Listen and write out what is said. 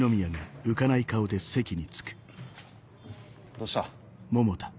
どうした？